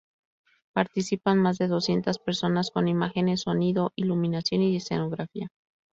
Participan más de doscientas personas con imágenes, sonido, iluminación y escenografía.